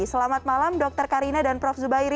selamat malam dr karina dan prof zubairi